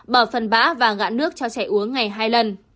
bỏ phần bã và ngạn nước cho trẻ uống ngày hai lần